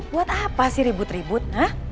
buat apa sih ribut ribut